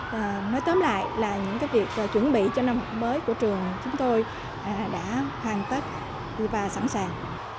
nói tóm lại là những việc chuẩn bị cho năm mới của trường chúng tôi đã hoàn tất và sẵn sàng